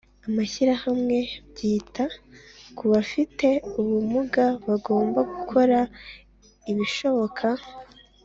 amashyirahamwe byita ku bafite ubumuga bagomba gukora ibishoboka